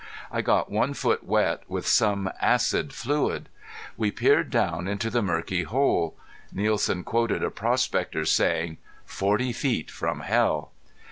I got one foot wet with some acid fluid. We peered down into the murky hole. Nielsen quoted a prospector's saying: "Forty feet from hell!"